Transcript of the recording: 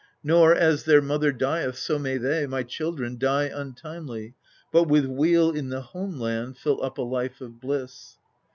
Nor, as their mother dieth, so may they, My children, die untimely, but with weal In the home land fill up a life of bliss."